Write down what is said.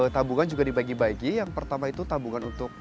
tabungan juga dibagi bagi yang pertama itu tabungan untuk